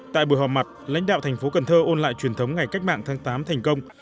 tại buổi họp mặt lãnh đạo thành phố cần thơ ôn lại truyền thống ngày cách mạng tháng tám thành công